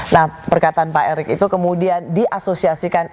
nah perkataan pak erick itu kemudian diasosiasikan